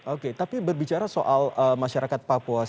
oke tapi berbicara soal masyarakat papua